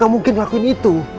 gak mungkin ngelakuin itu